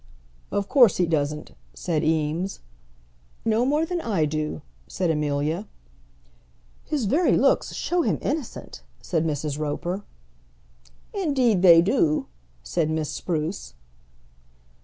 "Of course he doesn't," said Eames. "No more than I do," said Amelia. "His very looks show him innocent," said Mrs. Roper. "Indeed they do," said Miss Spruce.